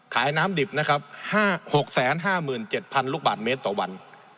น้ำดิบนะครับ๖๕๗๐๐ลูกบาทเมตรต่อวัน